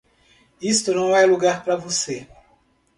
Isto não é lugar para você.